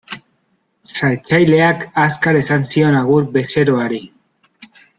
Saltzaileak azkar esan zion agur bezeroari.